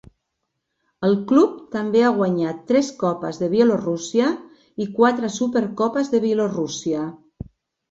El club també ha guanyat tres Copes de Bielorússia i quatre Supercopes de Bielorússia.